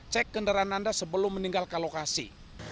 cek kendaraan anda sebelum meninggalkan lokasi